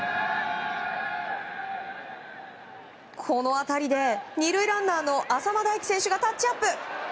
この当たりで２塁ランナーの淺間大基選手がタッチアップ。